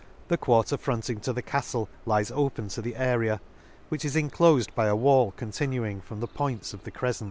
— The quarter fronting to the caftle lies open to the area, which is inclofed by a wall continuing from the points of the crefcent.